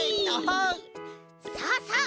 さあさあ